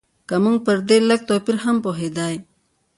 که موږ پر دې لږ توپیر هم پوهېدای.